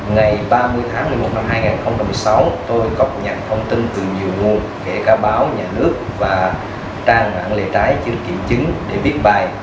ngày ba mươi tháng một mươi một năm hai nghìn một mươi sáu tôi cập nhật thông tin từ nhiều nguồn kể cả báo nhà nước và trang mạng lệ trái chưa kiểm chứng để viết bài